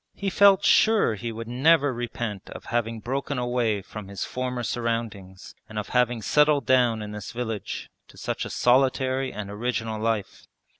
He felt sure he would never repent of having broken away from his former surroundings and of having settled down in this village to such a solitary and original life.